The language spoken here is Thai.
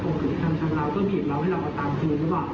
ต้องหาคนที่ทำชำเราต้องเบียบเราให้เราตามคุณหรือเปล่า